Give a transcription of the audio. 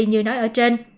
như nói ở trên